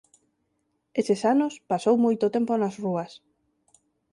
Eses anos pasou moito tempo nas rúas.